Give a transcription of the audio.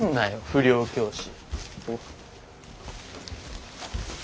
不良教師。